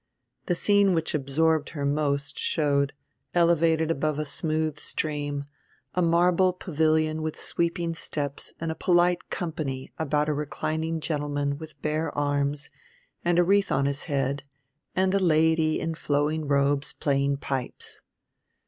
The scene which absorbed her most showed, elevated above a smooth stream, a marble pavilion with sweeping steps and a polite company about a reclining gentleman with bare arms and a wreath on his head and a lady in flowing robes playing pipes.